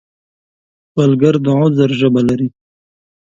سوالګر د عذر ژبه لري